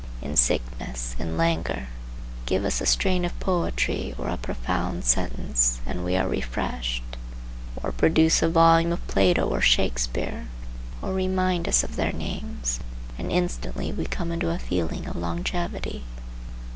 In sickness, in languor, give us a strain of poetry or a profound sentence, and we are refreshed; or produce a volume of Plato or Shakspeare, or remind us of their names, and instantly we come into a feeling of longevity.